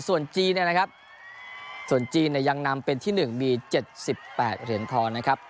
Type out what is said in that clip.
ส่วนจีนเนี่ยนะครับส่วนจีนเนี่ยยังนำเป็นที่๑มี๗๘เหรียญทองนะครับ